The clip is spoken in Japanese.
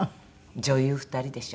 女優２人でしょ。